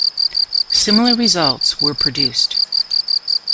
Similar results were produced.